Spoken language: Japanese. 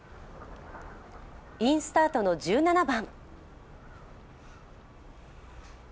インスタートの１７番。